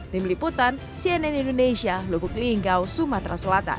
tim liputan cnn indonesia lubuk linggau sumatera selatan